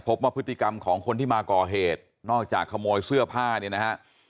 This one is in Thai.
พบว่าพฤติกรรมของคนที่มาก่อเหตุนอกจากขโมยเสื้อผ้าเนี่ยนะฮะ